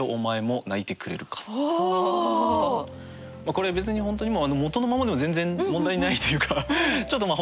これ別に本当に元のままでも全然問題ないというかまあ